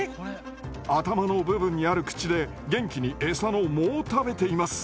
頭の部分にある口で元気にエサの藻を食べています。